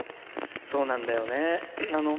そうなんだよね。